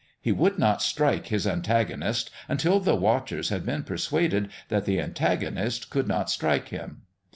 He would not strike his antagonist until the watchers had been persuaded that the antagonist could not strike him.